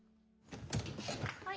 はい。